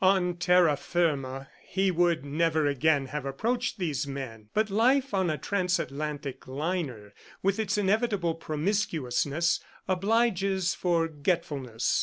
On terra firma, he would never again have approached these men; but life on a transatlantic liner, with its inevitable promiscuousness, obliges forgetfulness.